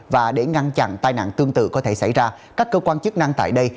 và để ngăn chặn tai nạn tương tự có thể xảy ra các cơ quan chức năng tại đây